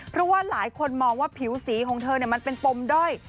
เพราะว่าหลายคนมองว่าผิวสีของเธอมันเป็นปมด้อย